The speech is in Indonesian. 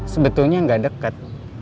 sebetulnya gak deket